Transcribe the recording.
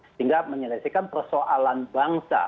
sehingga menyelesaikan persoalan bangsa